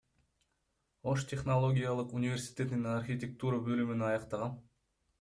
Ош технологиялык университетинин архитектура бөлүмүн аяктагам.